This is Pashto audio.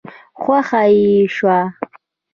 خوښه يې شوه.